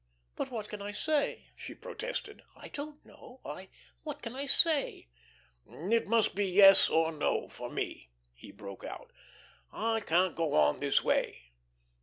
"But what can I say?" she protested. "I don't know I what can I say?" "It must be yes or no for me," he broke out. "I can't go on this way."